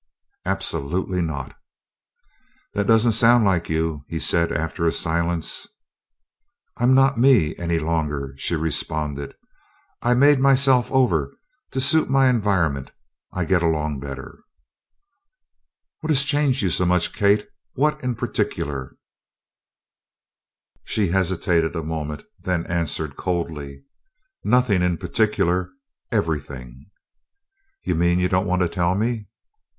"Absolutely not." "That doesn't sound like you," he said after a silence. "I'm not 'me' any longer," she responded. "I made myself over to suit my environment. I get along better." "What has changed you so much, Kate what in particular?" She hesitated a moment, then answered coldly: "Nothing in particular everything." "You mean you don't want to tell me?"